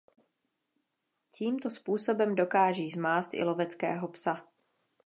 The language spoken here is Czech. Tímto způsobem dokáží zmást i loveckého psa.